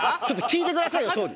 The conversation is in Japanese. ちょっと聞いてくださいよ